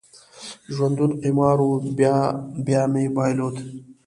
ژوندون قمار و، بیا بیا مې بایلود